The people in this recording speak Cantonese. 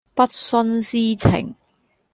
不徇私情